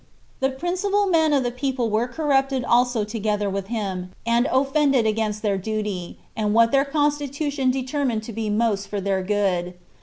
The principal men of the people were corrupted also together with him, and offended against their duty, and what their constitution determined to be most for their good.